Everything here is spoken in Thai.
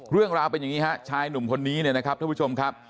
เรื่องราวเป็นอย่างนี้ฮะชายหนุ่มคนนี้เนี่ยนะครับท่านผู้ชมครับ